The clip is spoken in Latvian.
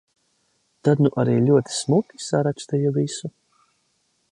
Tad nu arī ļoti smuki sarakstīja visu.